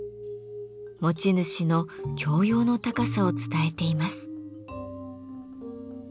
持ち主の教養の高さを伝えています。